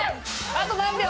あと何秒？